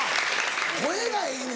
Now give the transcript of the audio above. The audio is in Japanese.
声がええね